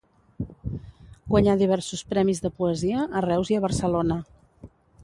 Guanyà diversos premis de poesia a Reus i a Barcelona.